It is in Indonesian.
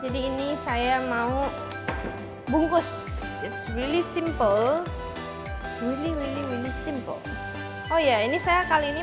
jadi ini saya mau bungkus simple really simple oh ya ini saya kali ini